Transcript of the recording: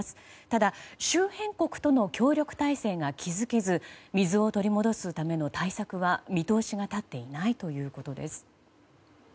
ただ、周辺国との協力体制が築けず水を取り戻すための対策は見通しが立っていないということです。